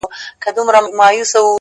• تا راته نه ويل د کار راته خبري کوه ـ